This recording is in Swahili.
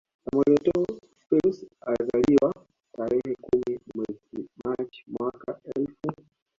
Samuel Etoo Fils alizaliwa tarehe kumi mwezi Machi mwaka elfu